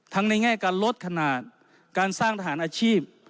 ในแง่การลดขนาดการสร้างทหารอาชีพ